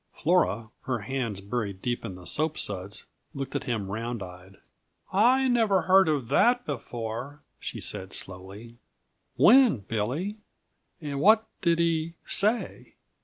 Flora, her hands buried deep in the soapsuds, looked at him round eyed. "I never heard of that before," she said slowly. "When, Billy? And what did he say?"